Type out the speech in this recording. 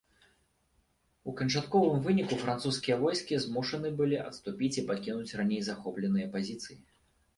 У канчатковым выніку французскія войскі змушаны былі адступіць і пакінуць раней захопленыя пазіцыі.